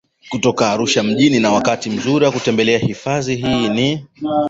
Kutoka Arusha mjini na wakati mzuri wa kutembelea hifadhi hii ni